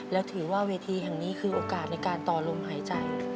แล้วถือว่าเวทีแห่งนี้คือโอกาสในการต่อลมหายใจ